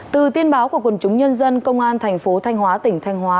từ tin báo của quần chúng nhân dân công an thành phố thanh hóa tỉnh thanh hóa